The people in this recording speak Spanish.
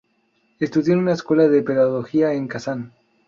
Estudió en una escuela de pedagogía en Kazán.